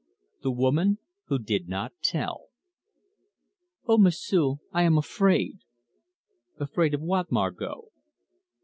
THE WOMAN WHO DID NOT TELL. "Oh, M'sieu', I am afraid." "Afraid of what, Margot?"